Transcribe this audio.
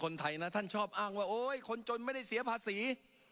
พี่น้องประชาชนคนไทยนะท่านชอบอ้างว่าโอ๊ยคนจนไม่ได้เสียภาษี